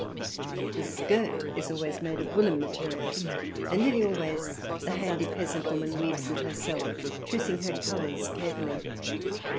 The skirt is always made of woollen material, and nearly always the handy peasant woman weaves it herself, choosing her colours carefully.